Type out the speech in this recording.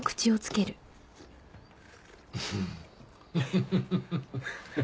フフフフ。